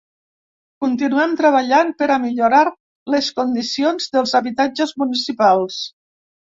Continuem treballant per a millorar les condicions dels habitatges municipals.